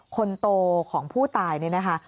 คนโตของผู้ตายนี่นะคะ